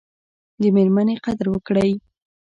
د میرمني قدر وکړئ